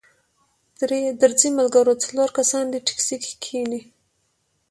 درځئ ملګرو څلور کسان دې ټیکسي کې کښینئ.